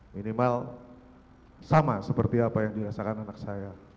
minimal sama seperti apa yang dirasakan anak saya